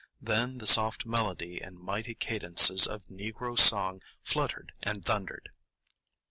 Then the soft melody and mighty cadences of Negro song fluttered and thundered.